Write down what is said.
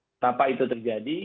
kenapa itu terjadi